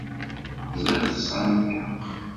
Ẓṛiɣ tesɛam lḥeq.